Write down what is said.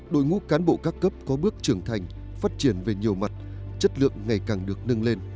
đội ngũ cán bộ các cấp có bước trưởng thành phát triển về nhiều mặt chất lượng ngày càng được nâng lên